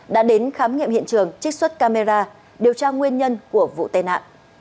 đã đến khám nghiệm hiện trường trích xuất camera điều tra nguyên nhân của vụ tên ạ